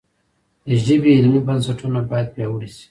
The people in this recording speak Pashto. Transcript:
د ژبې علمي بنسټونه باید پیاوړي شي.